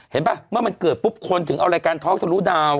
ป่ะเมื่อมันเกิดปุ๊บคนถึงเอารายการท็อกทะลุดาว